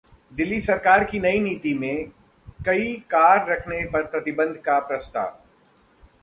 दिल्ली सरकार की नई नीति में कई कार रखने पर प्रतिबंध का प्रस्ताव